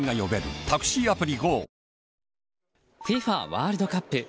ＦＩＦＡワールドカップ。